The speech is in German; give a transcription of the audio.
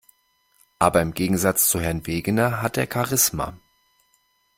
Aber im Gegensatz zu Herrn Wegener hat er Charisma.